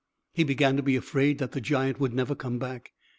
He began to be afraid that the giant would never come back.